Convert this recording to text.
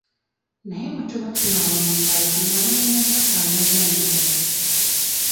Naye bwe tuba tunaaba mu ngalo tunaabe ne mu mpataanya z'engalo.